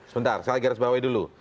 sebentar saya garis bawahi dulu